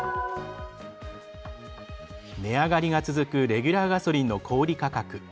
値上がりが続くレギュラーガソリンの小売価格。